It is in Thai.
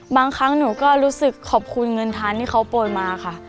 บางครั้งหนูก็รู้สึกขอบคุณเงินทานที่เขาโปรยมาค่ะ